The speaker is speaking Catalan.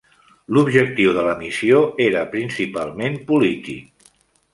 L'objectiu de la missió era principalment polític.